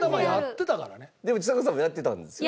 でもちさ子さんもやってたんですよね？